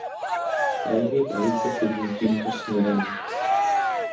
Krajní pravice sedí tímto směrem.